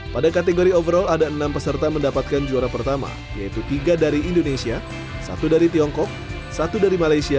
pada kategori overall ada enam peserta mendapatkan juara pertama yaitu tiga dari indonesia satu dari tiongkok satu dari malaysia